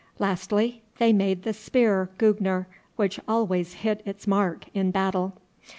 Lastly, they made the spear Gugner, which always hit its mark in battle.